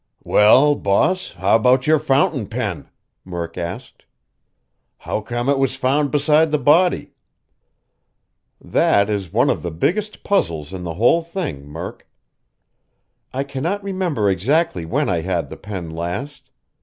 "Well, boss, how about your fountain pen?" Murk asked. "How come it was found beside the body?" "That is one of the biggest puzzles in the whole thing, Murk. I cannot remember exactly when I had the pen last.